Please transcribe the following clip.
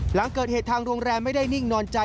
หลังเกิดเหตุทางโรงแรมไม่ได้นิ่งนอนใจ